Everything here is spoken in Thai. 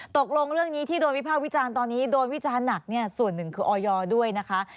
ตกลงเรื่องนี้ที่โดนวิภาควิจารณ์ตอนนี้โดนวิจารณ์หนักเนี่ยส่วนหนึ่งคือออยด้วยนะคะ